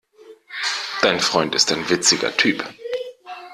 Dein Freund ist ein witziger Typ.